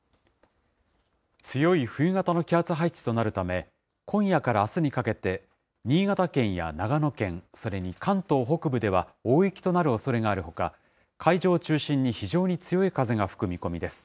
強い冬型の気圧配置となるため、今夜からあすにかけて、新潟県や長野県、それに関東北部では大雪となるおそれがあるほか、海上を中心に非常に強い風が吹く見込みです。